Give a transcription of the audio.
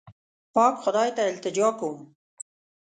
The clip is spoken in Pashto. پاک خدای ته التجا کوم.